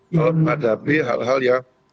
kalau menghadapi hal hal yang